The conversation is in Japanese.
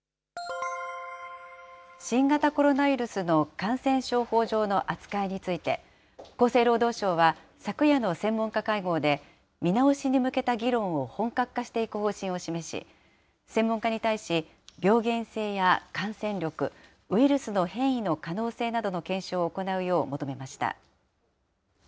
新型コロナウイルスの感染症法上の扱いについて、厚生労働省は昨夜の専門家会合で、見直しに向けた議論を本格化していく方針を示し、専門家に対し、病原性や感染力、ウイルスの変異の可能性などの検証を行うよう求めました。